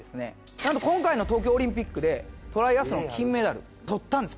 なんと今回の東京オリンピックでトライアスロン金メダルとったんです